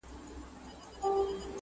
سبا به نه وي لکه نه وو زېږېدلی چنار.!